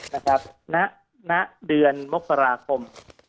นะครับณเดือนมกราคม